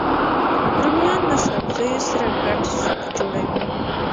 رومیان له سبزیو سره ګډ سوپ جوړوي